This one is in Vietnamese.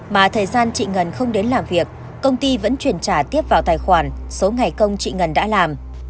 mà thời gian chị ngân không đến làm việc công ty vẫn chuyển trả tiếp vào tài khoản số ngày công chị ngân đã làm